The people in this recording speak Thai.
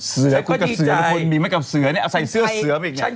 เสือคุณก็เสือแล้วคนมีไหมกับเสือเอาใส่เสื้อเสื้อไปอย่างนี้